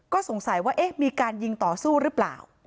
ก็สงสัยว่าเอ๊ะมีการยิงต่อสู้หรือเปล่า